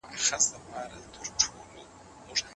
د نجونو تعليم باورمن چاپېريال جوړوي.